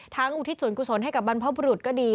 ทั้งอุทิศจุลกุศลให้กับบรรพบุรุษก็ดี